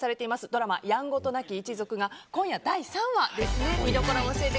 ドラマ「やんごとなき一族」が今夜第３話ですね。